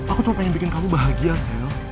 aku cuma pengen bikin kamu bahagia sel